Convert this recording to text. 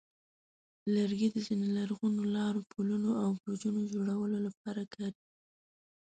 لرګي د ځینو لرغونو لارو، پلونو، او برجونو جوړولو لپاره کارېږي.